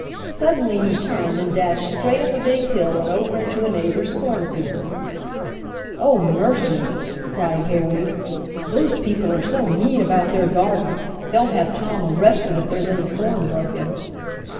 Suddenly he turned and dashed straight up a big hill and over into a neighbor's cornfield. "Oh, mercy!" cried Harry, "those people are so mean about their garden, they'll have Tom arrested if there's any corn broken."